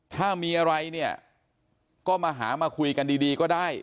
ถ้ามีอะไรเนี่ยก็มาหามาคุยกันดีก็ได้